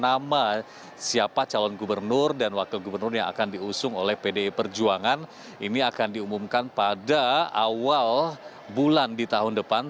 nama siapa calon gubernur dan wakil gubernur yang akan diusung oleh pdi perjuangan ini akan diumumkan pada awal bulan di tahun depan